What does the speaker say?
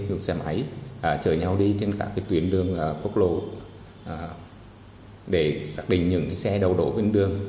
những xe máy chở nhau đi trên các tuyến đường cốc lô để xác định những xe đầu đổ bên đường